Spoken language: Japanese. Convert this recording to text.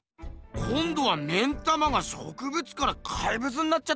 こんどは目ん玉が植物から怪物になっちゃったぞ。